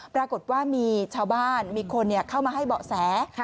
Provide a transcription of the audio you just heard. ปรากฏว่ามีชาวบ้านมีคนเข้ามาให้เบาะแส